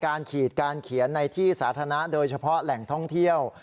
ขีดการเขียนในที่สาธารณะโดยเฉพาะแหล่งท่องเที่ยว